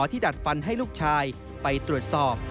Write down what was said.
ดัดฟันให้ลูกชายไปตรวจสอบ